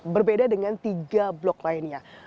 berbeda dengan tiga blok lainnya